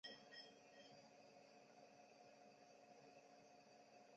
隐密裂囊猛水蚤为双囊猛水蚤科裂囊猛水蚤属的动物。